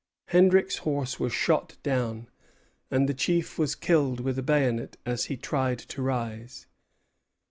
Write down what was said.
Hendrick's horse was shot down, and the chief was killed with a bayonet as he tried to rise.